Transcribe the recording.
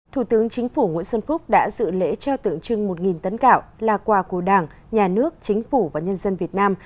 thủ tướng chính phủ nguyễn xuân phúc đã dự lễ trao tượng trưng một tấn gạo là quà của đảng nhà nước chính phủ và nhân dân việt nam